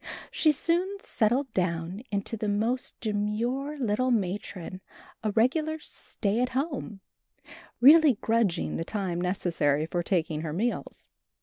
She soon settled down into the most demure little matron, a regular stay at home, really grudging the time necessary for taking her meals.